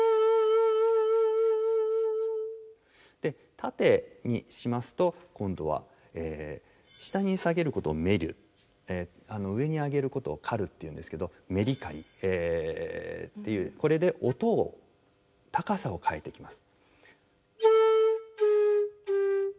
縦にしますと今度は下に下げることを「沈る」上に上げることを「浮る」っていうんですけどメリカリっていうこれで音を高さを変えていきます。